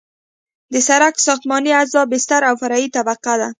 د سرک ساختماني اجزا بستر او فرعي طبقه ده